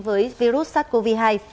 với virus sars cov hai